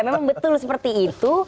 memang betul seperti itu